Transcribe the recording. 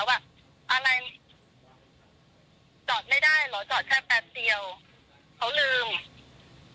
ว่าอะไรจอดไม่ได้เหรอจอดแค่แป๊บเดียวเขาลืม